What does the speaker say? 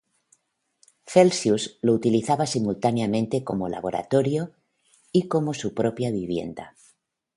Celsius lo utilizaba simultáneamente como laboratorio y como su propia vivienda.